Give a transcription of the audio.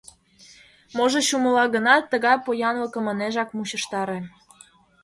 Можыч, умыла гынат, тыгай поянлыкым ынежак мучыштаре.